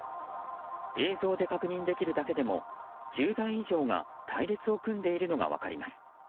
映像で確認できるだけでも１０台以上が隊列を組んでいるのが分かります。